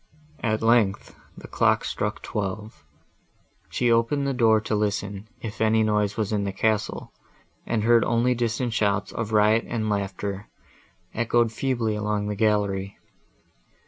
At length the clock struck twelve; she opened the door to listen, if any noise was in the castle, and heard only distant shouts of riot and laughter, echoed feebly along the gallery.